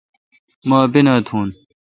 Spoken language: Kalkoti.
مہ اپینا تھون۔